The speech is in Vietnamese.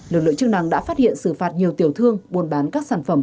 lực lượng chức năng đã phát hiện xử phạt nhiều tiểu thương buôn bán các sản phẩm